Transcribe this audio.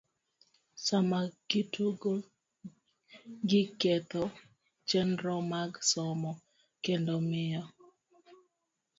Sama gitugo, giketho chenro mag somo, kendo miyo